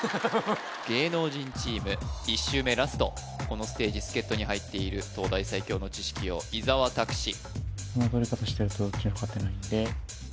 芸能人チーム１周目ラストこのステージ助っ人に入っている東大最強の知識王伊沢拓司